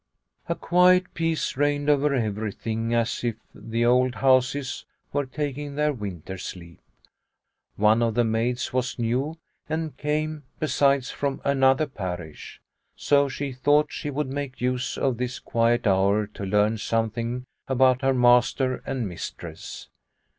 A quiet peace reigned over everything as if the old houses were taking their winter sleep. One of the maids was new and came, besides, from another parish. So she thought she would make use of this quiet hour to learn something about her master and mistress.